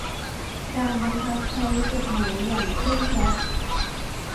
การบังคับใช้กฎหมายอย่างเคร่งครัด